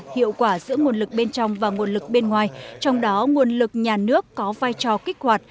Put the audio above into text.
hiệu quả giữa nguồn lực bên trong và nguồn lực bên ngoài trong đó nguồn lực nhà nước có vai trò kích hoạt